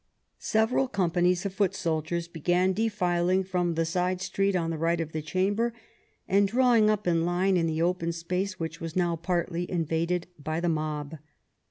Several companies of foot soldiers began defiling from the side street on the right of the Chamber, and drawing up in line in the open space which was now partly invaded by the mob.